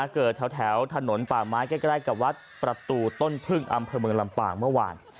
เกิดแถวถนนป่าไม้ใกล้กับวัดประตูต้นพึ่งอำเภอเมืองลำปางเมื่อวาน